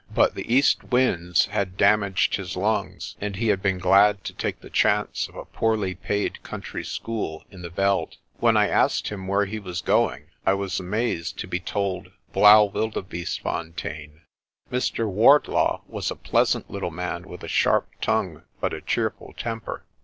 But the east winds had dam aged his lungs, and he had been glad to take the chance of a poorly paid country school in the veld. When I asked him where he was going I was amazed to be told, "Blaauwildebeestefontein." Mr. Wardlaw was a pleasant little man, with a sharp tongue but a cheerful temper.